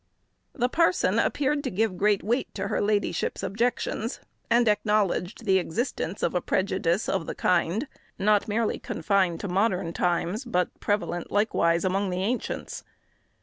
The parson appeared to give great weight to her ladyship's objections, and acknowledged the existence of a prejudice of the kind, not merely confined to modern times, but prevalent likewise among the ancients.